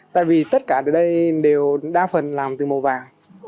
tại vì tất cả ở đây đều đa phần làm từ màu vàng